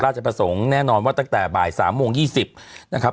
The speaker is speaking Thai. ราชประสงค์แน่นอนว่าตั้งแต่บ่าย๓โมง๒๐นะครับ